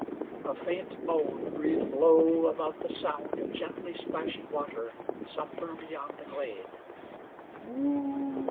A faint moan breathed low above the sound of gently splashing water somewhere beyond the glade.